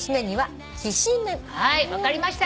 はい分かりました。